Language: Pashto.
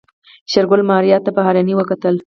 شېرګل ماريا ته په حيرانۍ وکتل.